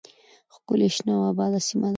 ښکلې شنه او آباده سیمه ده